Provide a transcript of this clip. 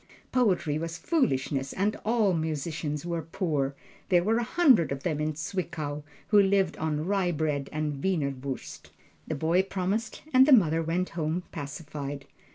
Poetry was foolishness and all musicians were poor there were a hundred of them in Zwickau who lived on rye bread and wienerwurst. The boy promised and the mother went home pacified.